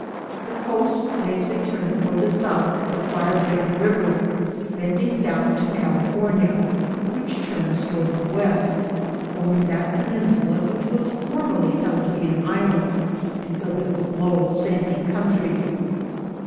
The coast makes a turn toward the south at the Firebrand river, bending down to California, which turns toward the west, forming that peninsula which was formerly held to be an island, because it was a low sandy country.